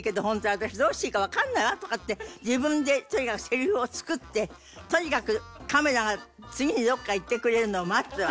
私どうしていいかわからないわ」とかって自分でとにかくせりふを作ってとにかくカメラが次にどこか行ってくれるのを待ってたの。